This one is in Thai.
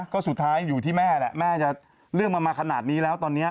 ก็สุดท้ายอยู่ที่แม่แหละแม่จะเรื่องมันมาขนาดนี้แล้วตอนนี้